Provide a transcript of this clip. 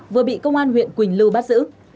vừa bị công an huyện quỳnh lưu bắt giữ